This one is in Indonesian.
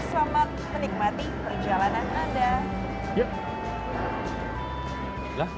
selamat menikmati perjalanan anda